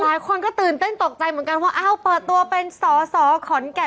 หลายคนก็ตื่นเต้นตกใจเหมือนกันว่าอ้าวเปิดตัวเป็นสอสอขอนแก่น